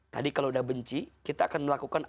tadi kalau sudah benci kita akan melakukan